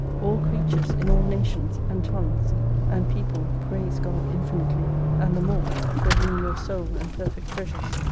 All creatures in all nations, and tongues, and people praise God infinitely ; and the more, for being your sole and perfect treasures.